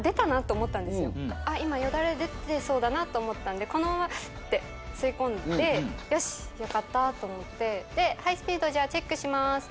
今よだれ出てそうだなと思ったんでこのままスッて吸い込んでよしよかったと思ってでハイスピード。